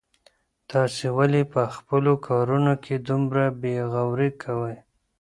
تاسو ولي په خپلو کارونو کي دومره بې غوري کوئ؟